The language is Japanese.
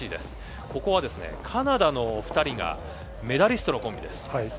ここはカナダの２人がメダリストのコンビです。